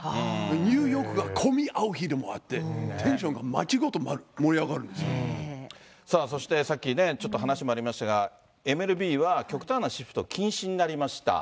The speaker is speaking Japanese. ニューヨークが混み合う日でもあって、テンションが街ごと盛り上さあそしてさっきね、話もありましたが、ＭＬＢは極端なシフト禁止になりました。